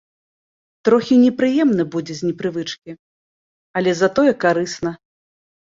Трохі непрыемна будзе з непрывычкі, але затое карысна.